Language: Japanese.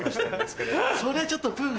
それちょっと。